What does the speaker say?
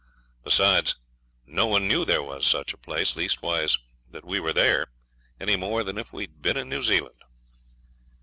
Besides, no one knew there was such a place, leastways that we were there, any more than if we had been in New Zealand.